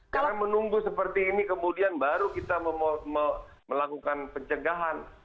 cara menunggu seperti ini kemudian baru kita melakukan pencegahan